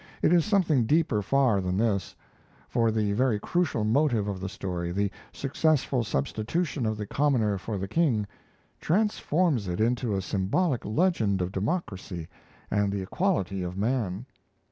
It is something deeper far than this; for the very crucial motive of the story, the successful substitution of the commoner for the king, transforms it into a symbolic legend of democracy and the equality of man.